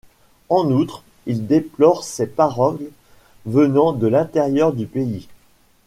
En outre, ils déplorent ces paroles venant de l'intérieur du pays.